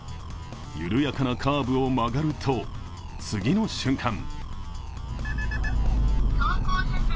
緩やかなカーブを曲がると、次の瞬間。